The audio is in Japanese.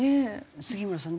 杉村さん